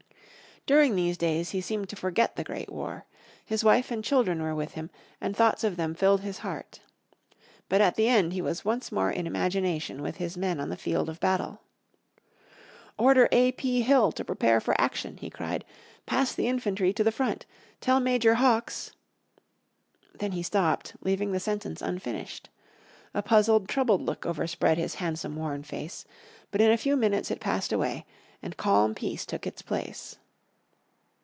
During these days he seemed to forget the Great War. His wife and children were with him, and thoughts of them filled his heart. But at the end he was once more in imagination with his men on the field of battle. "Order A.P. Hill to prepare for action," he cried. "Pass the infantry to the front. Tell Major Hawks " Then he stopped, leaving the sentence unfinished. A puzzled, troubled look overspread his handsome, worn face. But in a few minutes it passed away, and calm peace took its place.